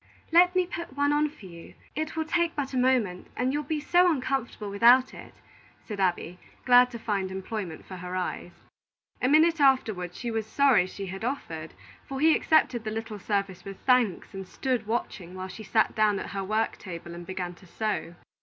"Let me put one on for you. It will take but a moment, and you'll be so uncomfortable without it," said Abby, glad to find employment for her eyes. A minute afterward she was sorry she had offered; for he accepted the little service with thanks, and stood watching while she sat down at her work table and began to sew.